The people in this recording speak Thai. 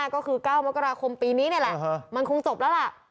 ก็คือ๙มกราคมปีนี้นี่แหละมันคงจบแล้วล่ะ